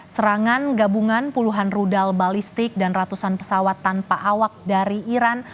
serangan gabungan puluhan rudal balistik dan ratusan pesawat tanpa awak dari iran